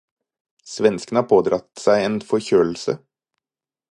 Svensken har pådratt seg en forkjølelse.